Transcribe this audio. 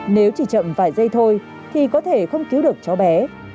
nếu chỉ chậm vài giây thôi thì có thể không cứu được cháu bé